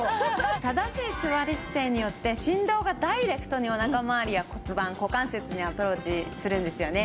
正しい座り姿勢によって振動がダイレクトにおなかまわりや骨盤股関節にアプローチするんですよね。